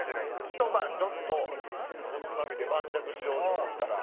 ひと晩、ちょっとおつまみで晩酌しようと思ったら。